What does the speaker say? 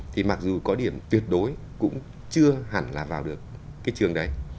thì mặc dù có điểm tuyệt đối cũng chưa hẳn là vào được cái trường đấy